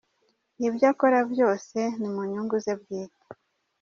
Ibyo akora byose ni mu nyungu ze bwite.